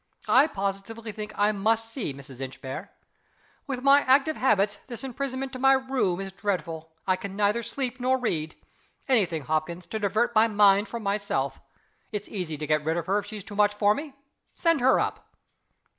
I positively think I must see Mrs. Inchbare. With my active habits, this imprisonment to my room is dreadful. I can neither sleep nor read. Any thing, Hopkins, to divert my mind from myself: It's easy to get rid of her if she is too much for me. Send her up."